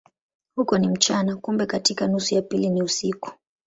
Huko ni mchana, kumbe katika nusu ya pili ni usiku.